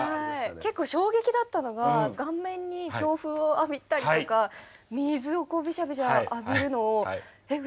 結構衝撃だったのが顔面に強風を浴びたりとか水をこうびしゃびしゃ浴びるのをえっ？